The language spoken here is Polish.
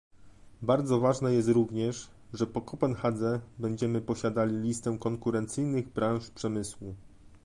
Bardzo ważne jest również, że po Kopenhadze będziemy posiadali listę konkurencyjnych branż przemysłu